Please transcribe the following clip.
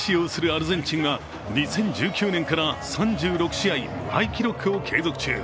アルゼンチンは２０１９年から３６試合、無敗記録を継続中。